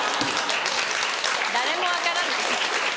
誰も分からない。